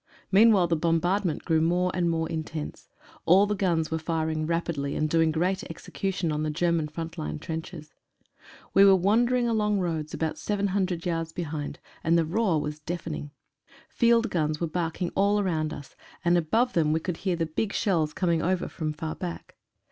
Meanwhile the bombardment grew more and more in tense. All the guns were firing rapidly and doing great execution on the German front line trenches. We were wandering along roads about 700 yards behind, and the roar was deafening. Field guns were barking all round us and above them we could hear the big shells coming over from far back.